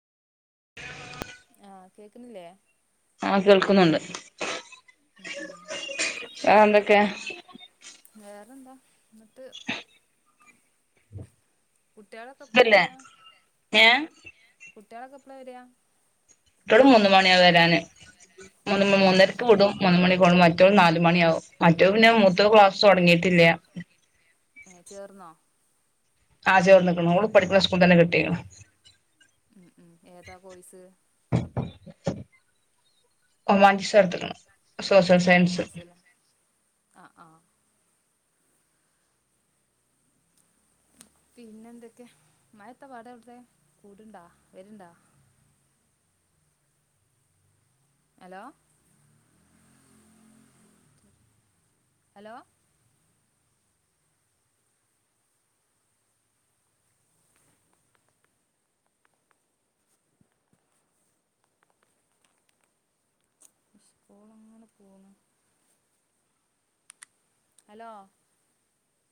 ആഹ് കേക്കുന്നില്ലേ ആഹ് കേൾക്കുന്നുണ്ട് ഉം ഉം വേറെന്തൊക്കെയാ വേറെന്തൊക്കെ വേറെന്താ എന്നിട്ട് കുട്ടികളൊക്കെ എപ്പള സുഖല്ലേ വരിക ഏഹ് കുട്ടികളൊക്കെ എപ്പള വരിക കുട്ട്യാൾ മൂന്ന് മണിയാവും വരാന് മൂന്ന് ആഹ് മൂന്നരക്ക് വിടും മൂന്ന് മണിക്ക് കൊണ്ട് മറ്റോ നാല് മണിയാവും മറ്റൊ പിന്നെ മൂത്തോക്ക് ക്ലാസ്സ് തുടങ്ങിയിട്ടില്ല ഏഹ് ചേർന്നോ ആഹ് ചേർന്നിക്ക്ണ് ഓള് പഠിക്കുന്ന സ്കൂളിൽ തന്നെ കിട്ടിക്കണ് ഉം ഉം ഏതാ കോഴ്‌സ് ഹ്യുമാനിറ്റീസ് എടുത്തിക്കണത് ഹ്യൂമറ്റീസ് അല്ലെ ആഹ് ആഹ് പിന്നെ എന്തൊക്കെ മഴത്ത പാട് അവിടുത്തെ കൂടുണ്ടാ വരുണ്ടോ ഹലോ ഹലോ ആണ് പോണം ഹലോ